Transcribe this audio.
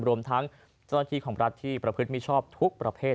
รวมทั้งเจ้าหน้าที่ของรัฐที่ประพฤติมิชอบทุกประเภท